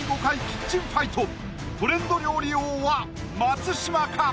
キッチンファイトトレンド料理王は松嶋か？